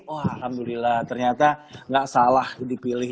wah alhamdulillah ternyata tidak salah dipilih